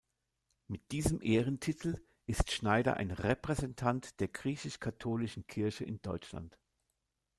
Mit diesem Ehrentitel ist Schneider ein Repräsentant der griechisch-katholischen Kirche in Deutschland.